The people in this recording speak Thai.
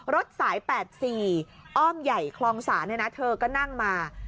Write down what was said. รถสาย๘๔อ้อมใหญ่คลองศาลเนี่ยนะเธอก็นั่งมา